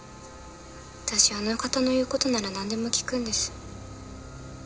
私あの方の言うことなら何でも聞くんです。